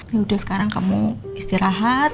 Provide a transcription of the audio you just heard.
ya udah sekarang kamu istirahat